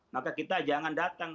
maka kita jangan datang